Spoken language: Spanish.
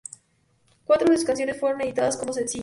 Cuatro de sus canciones fueron editadas como sencillos.